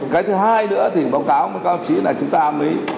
cái thứ hai nữa thì báo cáo báo cáo chỉ là chúng ta mới